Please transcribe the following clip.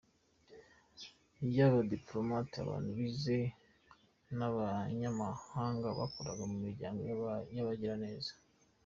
Y’abadipolomate, abantu bize n’abanyamahanga bakoraga mu miryango y’abagiraneza.